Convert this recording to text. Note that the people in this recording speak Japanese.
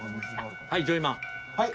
はいジョイマン！